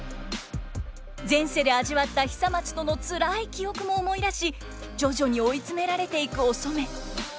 前世で味わった久松とのつらい記憶も思い出し徐々に追い詰められていくお染。